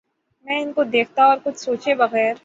میں ان کو دیکھتا اور کچھ سوچے بغیر